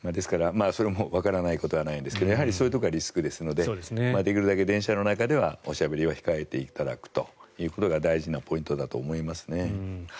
それもわからないわけではないんですがやはりそういうところはリスクですのでできるだけ電車の中ではおしゃべりを控えていただくのが大事なポイントだと思いますね。